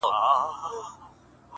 • په هغه ګړي یې جنس وو پیژندلی -